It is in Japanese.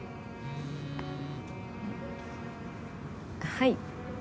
はい。